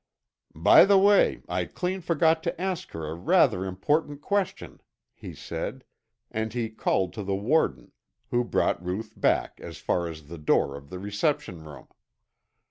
"By the way, I clean forgot to ask her a rather important question," he said, and he called to the warden, who brought Ruth back as far as the door of the reception room.